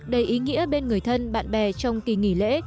đầy ý nghĩa bên người thân bạn bè trong kỳ nghỉ lễ